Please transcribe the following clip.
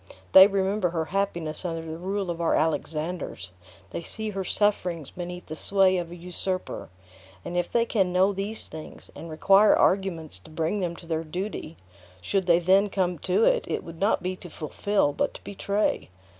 They remember her happiness under the rule of our Alexanders; they see her sufferings beneath the sway of a usurper; and if they can know these things, and require arguments to bring them to their duty, should they then come to it, it would not be to fulfill, but to betray.